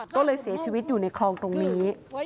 ก็เลยเสียชีวิตอยู่ในคลองตรงนี้